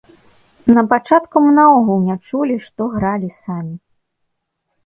Напачатку мы наогул не чулі, што гралі самі.